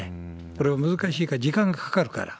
これを難しいから、時間かかるから。